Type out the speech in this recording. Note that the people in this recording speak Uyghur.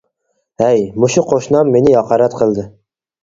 ھەي. مۇشۇ قوشنام مېنى ھاقارەت قىلدى.